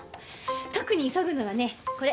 特に急ぐのがねこれ。